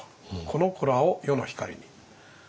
「この子らを世の光りに」。